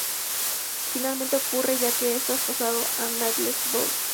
Finalmente no ocurre, ya que es traspasado al Middlesbrough.